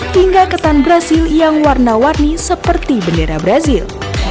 hingga ketan brazil yang warna warni seperti bendera brazil